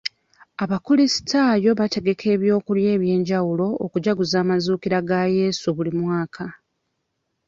Abakulisitaayo bategeka eby'okulya eby'enjawulo okujaguza amazuukira ga Yesu buli mwaka.